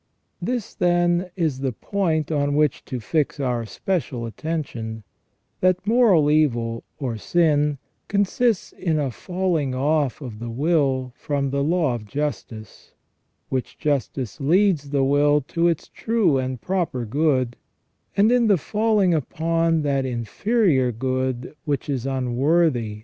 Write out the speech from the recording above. "* This, then, is the point on which to fix our special attention, that moral evil, or sin, consists in a falling off of the will from the law of justice, which justice leads the will to its true and proper good, and in the falling upon that inferior good which is unworthy • S.